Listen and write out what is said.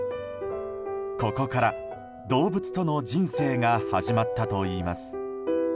ここから、動物との人生が始まったといいます。